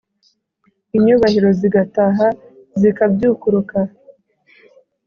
inyúbahiro zigataha zikabyúkuruka